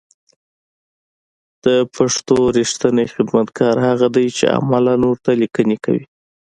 د پښتو رېښتينی خدمتگار هغه دی چې عملاً ورته ليکنې کوي